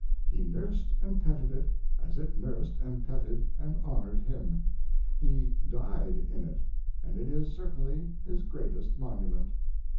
He nursed and petted it, as it nursed and petted and honored him. He died in it. And it is certainly his greatest monument.